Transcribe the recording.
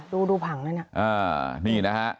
ดูผำน้อยเนี่ย